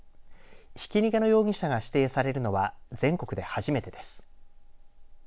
ひき逃げの容疑者が指定されるのは全国で初めてです。